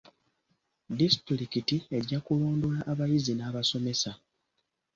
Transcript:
Disitulikiti ejja kulondoola abayizi n'abasomesa.